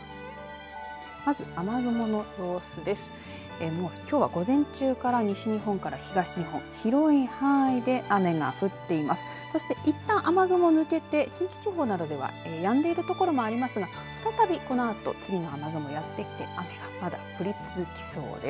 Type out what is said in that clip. そしていったん雨雲抜けて近畿地方などではやんでいる所もありますが、再びこのあと次の雨雲やって来て雨がまだ降り続きそうです。